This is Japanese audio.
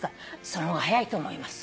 「その方が早いと思います」